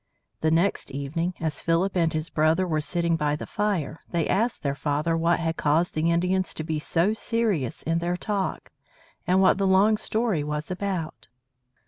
The next evening, as Philip and his brother were sitting by the fire, they asked their father what had caused the Indians to be so serious in their talk, and what the long story was about.